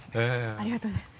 ありがとうございます。